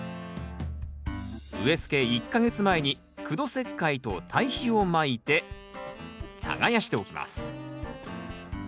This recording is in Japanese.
植えつけ１か月前に苦土石灰と堆肥をまいて耕しておきます。